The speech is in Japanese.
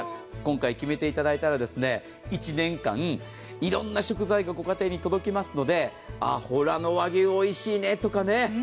今回決めていただいたら１年間、いろんな食材がご家庭に届きますので、ふらの和牛おいしいねとかね。